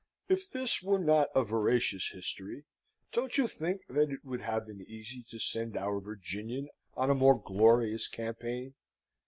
If this were not a veracious history, don't you see that it would have been easy to send our Virginian on a more glorious campaign?